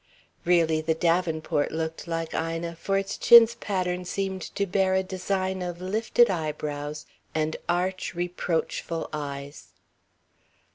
Really, the davenport looked like Ina, for its chintz pattern seemed to bear a design of lifted eyebrows and arch, reproachful eyes.